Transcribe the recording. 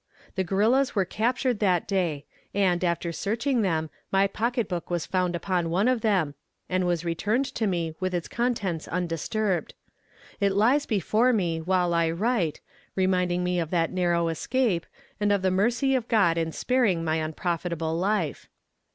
The guerrillas were captured that day, and, after searching them, my pocket book was found upon one of them, and was returned to me with its contents undisturbed. It lies before me, while I write, reminding me of that narrow escape, and of the mercy of God in sparing my unprofitable life.